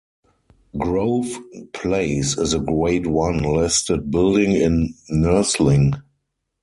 Grove Place is a Grade One listed building in Nursling.